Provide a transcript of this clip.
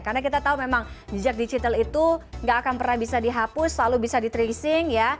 karena kita tahu memang jejak digital itu nggak akan pernah bisa dihapus selalu bisa di tracing ya